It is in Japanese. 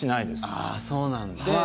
あー、そうなんだ。